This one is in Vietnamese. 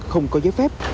không có giấy phép